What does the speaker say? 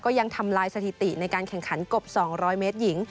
ยังทำลายสถิติในการแข่งขันกบ๒๐๐เมตรหญิง